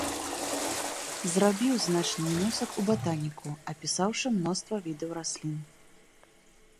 Зрабіў значны ўнёсак у батаніку, апісаўшы мноства відаў раслін.